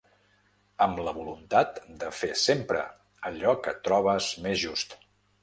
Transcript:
Amb la voluntat de fer sempre allò que trobes més just.